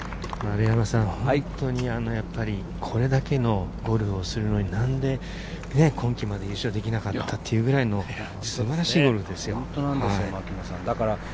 本当にこれだけのゴルフをするのに、何で今季まで優勝できなかったっていうぐらいの、素晴らしいゴルフですよ。